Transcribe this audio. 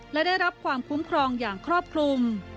และได้รับความคุ้มครองอย่างครอบคลุม